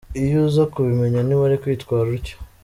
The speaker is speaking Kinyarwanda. Iyo uza kubimenya ntiwari kwitwara utyo.